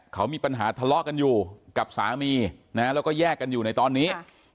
เขามีปัญหาทะเลาะกันอยู่กับสามีนะฮะแล้วก็แยกกันอยู่ในตอนนี้